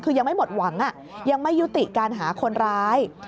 คือยังไม่หมดหวังยังไม่ยุติการหาคนร้าย